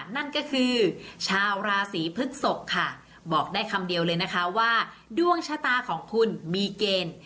นั่นก็คือชาวราศีพฤกษกค่ะบอกได้คำเดียวเลยนะคะว่าดวงชะตาของคุณมีเกณฑ์